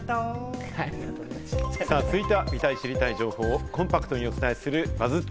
続いては、見たい、知りたい情報をコンパクトにお伝えするＢＵＺＺ